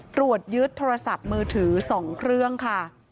ตรวจยึดโทรศัพท์มือถือ๒เครื่องค่ะ